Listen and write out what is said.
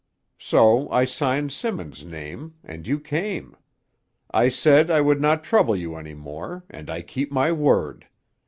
So I signed Simmons' name, and you came. I said I would not trouble you any more, and I keep my word.